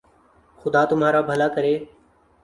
خدا تمہارر بھلا کرے